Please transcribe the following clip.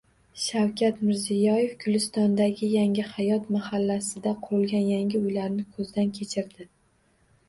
Shavkat Mirziyoyev Gulistondagi Yangi hayot mahallasida qurilgan yangi uylarni ko‘zdan kechirdi